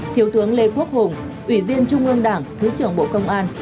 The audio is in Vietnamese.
thiếu tướng lê quốc hùng ủy viên trung ương đảng thứ trưởng bộ công an